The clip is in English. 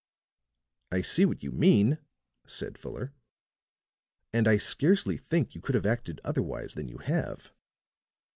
"I see what you mean," said Fuller, "and I scarcely think you could have acted otherwise than you have.